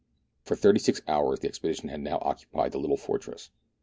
For thirty six hours the expedition had now occupied the little fortress.